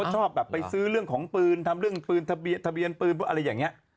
ชอบแบบไปซื้อเรื่องของปืนทำเรื่องปืนทะเบียนปืนอะไรอย่างนี้